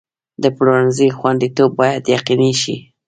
د پلورنځي خوندیتوب باید یقیني شي.